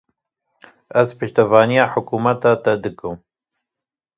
Ez piştevaniya hikûmeta te dikim.